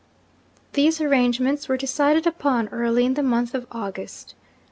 These arrangements were decided upon early in the month of August.